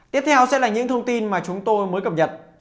tiếp theo sẽ là những thông tin mà chúng tôi mới cập nhật